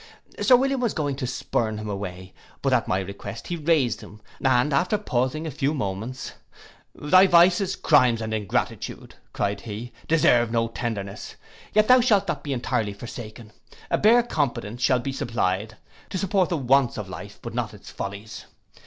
Sir William was going to spurn him away, but at my request he raised him, and after pausing a few moments, 'Thy vices, crimes, and ingratitude,' cried he, 'deserve no tenderness; yet thou shalt not be entirely forsaken, a bare competence shall be supplied, to support the wants of life, but not its follies.